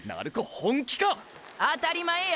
本気か⁉あたり前や。